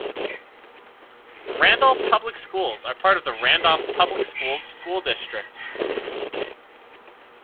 Randolph Public Schools are part of the Randolph Public Schools School District.